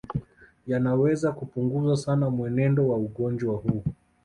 Yanaweza kupunguza sana mwenendo wa ugonjwa huu